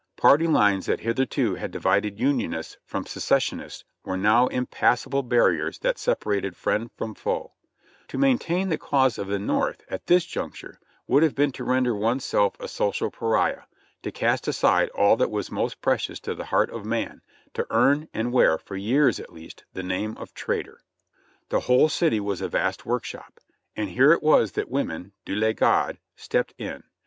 Party lines that hitherto had divided Unionists from Secessionists were now impassable barriers that separated friend from foe; to main tain the cause of the North at this juncture would have been to render one's self a social pariah, to cast aside all that was most precious to the heart of man, to earn and wear, for years at least, the name of traitor. The whole city was a vast workshop, and here it was that women (Dieu les garde) stepped in.